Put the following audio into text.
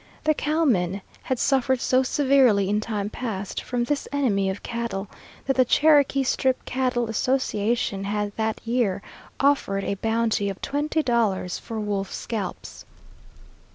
The cowmen had suffered so severely in time past from this enemy of cattle that the Cherokee Strip Cattle Association had that year offered a bounty of twenty dollars for wolf scalps.